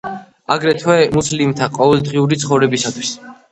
აგრეთვე, მუსლიმთა ყოველდღიური ცხოვრებისათვის.